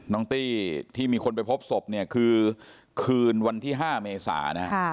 น้องตี้ที่มีคนไปพบศพคือคืนวันที่ห้าเมษา